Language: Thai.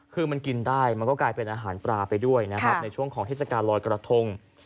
คือมันกินได้มันก็กลายเป็นอาหารปลาไปด้วยนะครับในช่วงของเทศกาลลอยกระทง